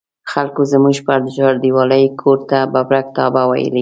خلکو زموږ بې چاردیوالۍ کور ته ببرک تاڼه ویلې.